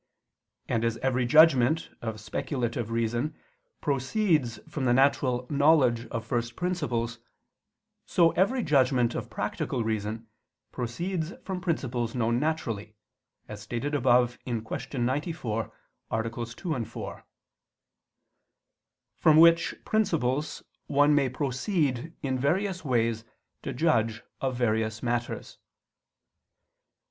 And as every judgment of speculative reason proceeds from the natural knowledge of first principles, so every judgment of practical reason proceeds from principles known naturally, as stated above (Q. 94, AA. 2, 4): from which principles one may proceed in various ways to judge of various matters.